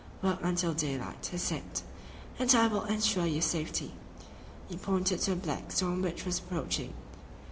"Work until daylight," he said, "and I will ensure your safety." We pointed at the black storm which was approaching.